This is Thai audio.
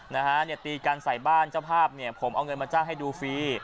นะฮะเนี่ยตีกันใส่บ้านเจ้าภาพเนี่ยผมเอาเงินมาจ้างให้ดูฟรี